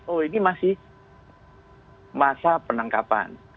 oh ini masih masa penangkapan